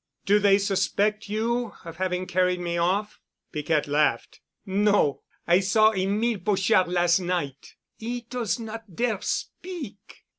Do they suspect you of having carried me off?" Piquette laughed. "No. I saw Émile Pochard las' night. 'E does not dare speak.